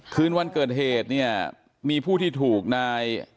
คืนวันเกิดเหตุเนี่ยมีผู้ที่ถูกนาย